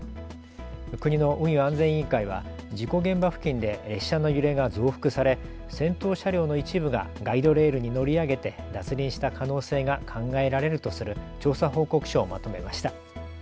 国の運輸安全委員会は事故現場付近で列車の揺れが増幅され先頭車両の一部がガイドレールに乗り上げて脱輪した可能性が考えられるとする調査報告書をまとめました。